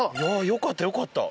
よかったよかった。